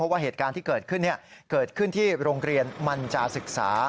ว่าเหตุการณ์ที่เกิดขึ้นเกิดขึ้นที่โรงเรียนมันจาศึกษา